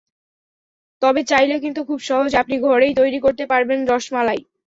তবে চাইলে কিন্তু খুব সহজে আপনি ঘরেই তৈরি করতে পারবেন রসমালাই।